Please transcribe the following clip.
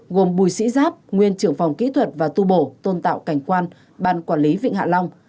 gồm bùi sĩ giáp nguyên trưởng phòng kỹ thuật và tu bổ tôn tạo cảnh quan ban quản lý vịnh hạ long